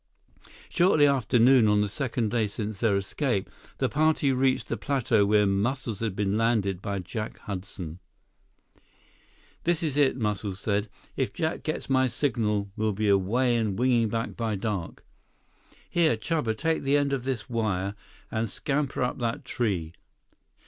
Shortly after noon of the second day since their escape, the party reached the plateau where Muscles had been landed by Jack Hudson. "This is it," Muscles said. "If Jack gets my signal, we'll be away and winging by dark. Here, Chuba, take the end of this wire and scamper up that tree.